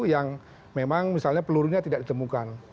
yang memang misalnya pelurunya tidak ditemukan